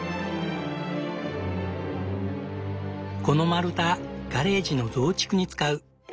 この丸太ガレージの増築に使う。